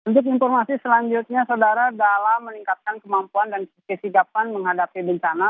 untuk informasi selanjutnya saudara dalam meningkatkan kemampuan dan kesigapan menghadapi bencana